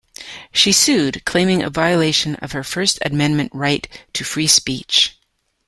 She sued, claiming a violation of her First Amendment right to free speech.